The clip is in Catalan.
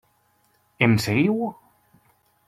Em seguiu?